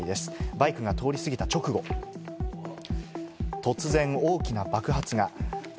バイクが通り過ぎた直後、突然、大きな爆発が。